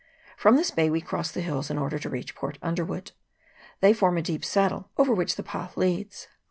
From this bay we crossed the hills in order to reach Port Underwood. They form a deep saddle, over which the path leads.